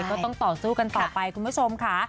ก็ต้องต่อสู้กันต่อไปคุณผู้ชมค่ะ